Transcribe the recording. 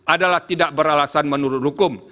adalah tidak beralasan menurut hukum